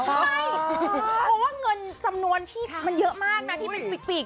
ใช่เพราะว่าเงินจำนวนที่มันเยอะมากนะที่เป็นปีก